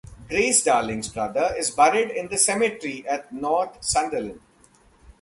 Grace Darling's brother is buried in the cemetery at North Sunderland.